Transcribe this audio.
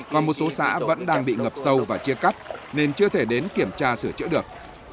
và một số xã vẫn đang bị ngập sâu và chia cắt nên chưa thể đến kiểm tra sửa chữa được